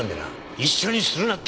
一緒にするなって。